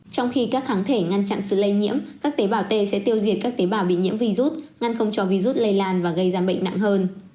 trong khi các kháng thể ngăn chặn sự lây nhiễm các tế bào t sẽ tiêu diệt các tế bào bị nhiễm virus ngăn không cho virus lây lan và gây ra bệnh nặng hơn